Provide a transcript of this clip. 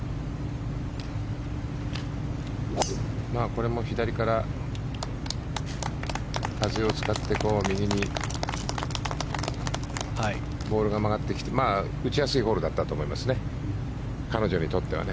これも左から風を使って右にボールが曲がってきて打ちやすいホールだったと思いますね